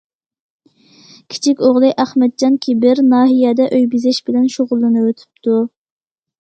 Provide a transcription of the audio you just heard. كىچىك ئوغلى ئەخمەتجان كىبىر ناھىيەدە ئۆي بېزەش بىلەن شۇغۇللىنىۋېتىپتۇ.